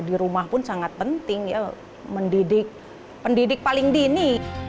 di rumah pun sangat penting ya mendidik pendidik paling dini